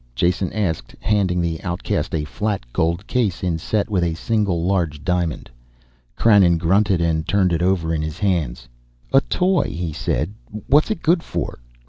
Jason asked, handing the outcast a flat gold case inset with a single large diamond. Krannon grunted and turned it over in his hands. "A toy," he said. "What is it good for?"